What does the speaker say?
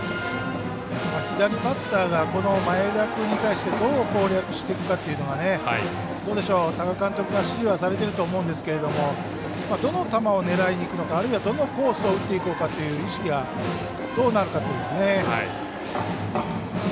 左バッターがこの前田君に対してどう攻略していくかというのは多賀監督が指示はされてると思うんですけどどの球を狙いにいくのかあるいはどのコースを打っていこうかという意識がどうなるかですね。